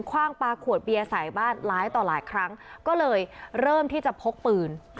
ว่างปลาขวดเบียร์ใส่บ้านร้ายต่อหลายครั้งก็เลยเริ่มที่จะพกปืน